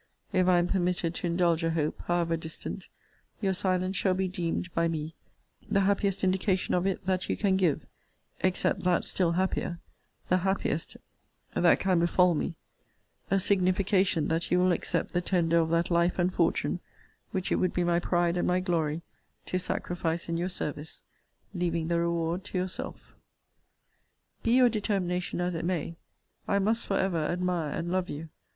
If I am permitted to indulge a hope, however distant, your silence shall be deemed, by me, the happiest indication of it that you can give except that still happier (the happiest than can befall me,) a signification that you will accept the tender of that life and fortune, which it would be my pride and my glory to sacrifice in your service, leaving the reward to yourself. Be your determination as it may, I must for ever admire and love you.